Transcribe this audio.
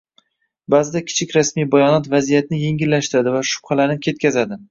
Ba'zida kichik rasmiy bayonot vaziyatni yengillashtiradi va shubhalarni ketkazadi